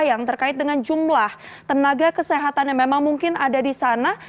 yang terkait dengan jumlah tenaga kesehatan yang memang mungkin ada di sana